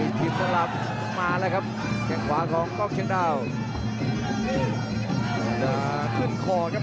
คนกินท้าพยายามจะเสียบด้วยขอครับคนสัตว์ครับ